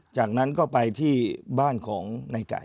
จากนั้นก็ไปที่บ้านของในไก่